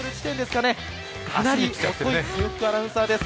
かなり遅い豊福アナウンサーです。